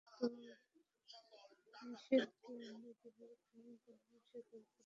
তো, মিশেল কি আমরা কিভাবে প্রেমে পড়লাম সে গল্প বলেছে?